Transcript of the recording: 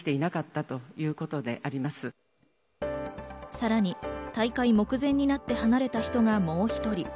さらに大会目前になって離れた人がもう一人。